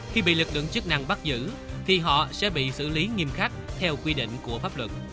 khi bị lực lượng chức năng bắt giữ thì họ sẽ bị xử lý nghiêm khắc theo quy định